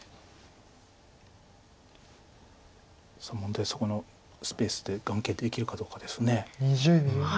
さあ問題はそこのスペースで眼形できるかどうかです。